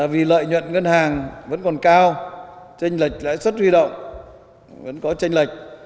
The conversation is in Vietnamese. vì lợi nhuận ngân hàng vẫn còn cao chênh lệch lãi sất huy động vẫn có chênh lệch